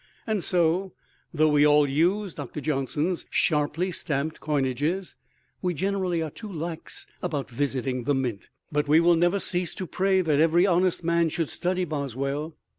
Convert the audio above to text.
And so, though we all use Doctor Johnson's sharply stamped coinages, we generally are too lax about visiting the mint. But we will never cease to pray that every honest man should study Boswell.